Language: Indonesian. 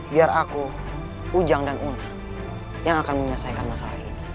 biar aku ujang dan um yang akan menyelesaikan masalah ini